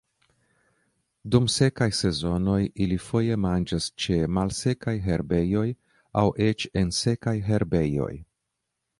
Dum sekaj sezonoj, ili foje manĝas ĉe malsekaj herbejoj aŭ eĉ en sekaj herbejoj.